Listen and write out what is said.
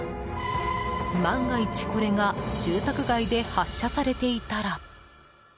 万が一、これが住宅街で発射されていたら。